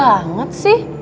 arin jahat banget sih